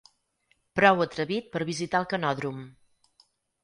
Prou atrevit per visitar el canòdrom.